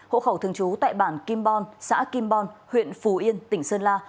hộ khẩu thường trú tại bản kim bon xã kim bon huyện phù yên tỉnh sơn la